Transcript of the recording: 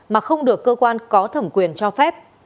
mà không được cơ quan có thẩm quyền cho phép